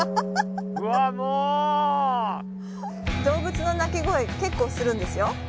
動物の鳴き声結構するんですよ。